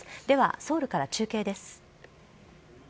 では、ソウルから中継です。